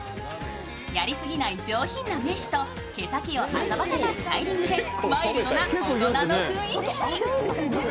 やりすぎない上品なメッシュと毛先を遊ばせたスタイリングでワイルドな大人の雰囲気に。